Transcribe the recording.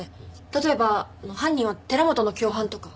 例えば犯人は寺本の共犯とか。